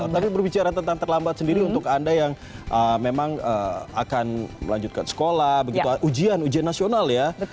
tapi berbicara tentang terlambat sendiri untuk anda yang memang akan melanjutkan sekolah ujian ujian nasional ya